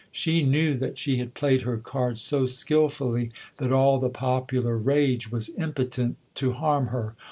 She knew that she had played her cards so skilfully that all the popular rage was impotent to harm her.